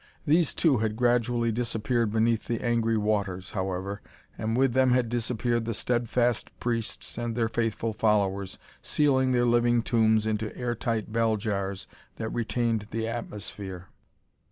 These, too, had gradually disappeared beneath the angry waters, however, and with them had disappeared the steadfast priests and their faithful followers, sealing their living tombs into air tight bell jars that retained the atmosphere.